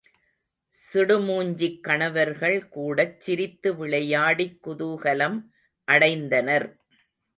சிடுமூஞ்சிக் கணவர்கள் கூடச் சிரித்து விளையாடிக் குதூகலம் அடைந்தனர்.